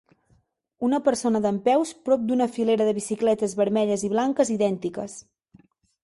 Una persona dempeus prop d'una filera de bicicletes vermelles i blanques idèntiques.